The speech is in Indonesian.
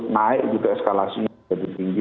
naik juga eskalasinya jadi tinggi